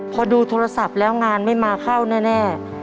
พอดูโทรศัพท์แล้วงานไม่มาเข้าแน่